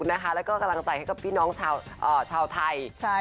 และกลางใจให้พี่น้องชาวไทย